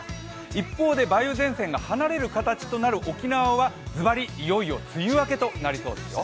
一方で梅雨前線が離れる形となる沖縄はずばりいよいよ梅雨明けとなりそうですよ。